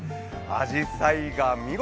あじさいが見事。